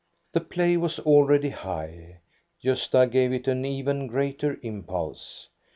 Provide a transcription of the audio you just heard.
The play was already high. Gosta gave it an even greater impulse.